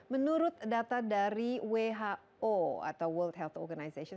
menurut data dari who atau world health organization